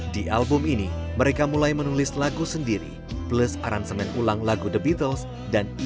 di album ini mereka mulai menulis lagu sendiri plus aransemen ulang lagu the beatles dan emas